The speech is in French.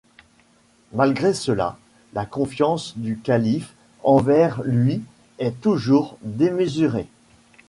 Malgré cela, la confiance du Calife envers lui est toujours démesurée.